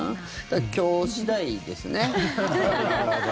今日次第ですね。